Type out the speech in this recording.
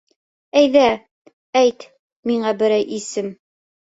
Әйҙә, әйт миңә берәй исем.